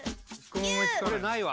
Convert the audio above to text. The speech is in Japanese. これないわ・